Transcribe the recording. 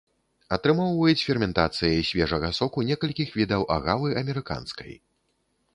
Атрымоўваюць ферментацыяй свежага соку некалькіх відаў агавы амерыканскай.